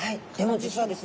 実はですね。